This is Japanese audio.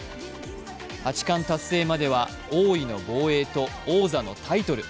八冠達成までは王位の防衛と王座のタイトル。